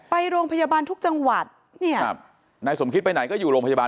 ไปโรงพยาบาลทุกจังหวัดเนี่ยครับนายสมคิดไปไหนก็อยู่โรงพยาบาล